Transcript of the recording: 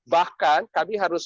bahkan kami harus